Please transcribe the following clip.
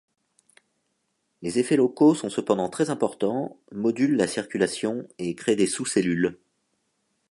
Les effets locaux sont cependant très importants, modulent la circulation et créent des sous-cellules.